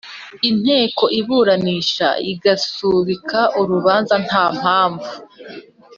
Inteko iburanisha igasubika urubanza nta mpamvu